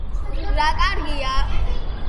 რა კარგია